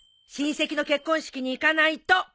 親戚の結婚式に行かないと。